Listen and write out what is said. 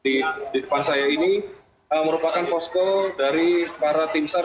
di depan saya ini merupakan posko dari para tim sar